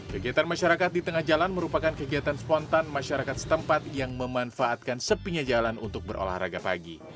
kegiatan masyarakat di tengah jalan merupakan kegiatan spontan masyarakat setempat yang memanfaatkan sepinya jalan untuk berolahraga pagi